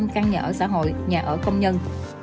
một sáu mươi hai hai trăm linh căn nhà ở xã hội nhà ở công nhân